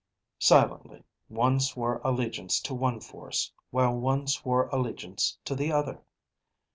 Silently, one swore allegiance to one force, while one swore allegiance to the other.